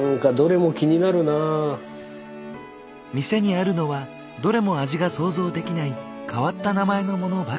店にあるのはどれも味が想像できない変わった名前のものばかり。